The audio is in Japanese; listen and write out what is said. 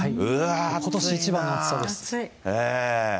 ことし一番の暑さです。